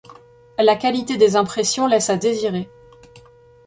La qualité des impressions laisse à désirer.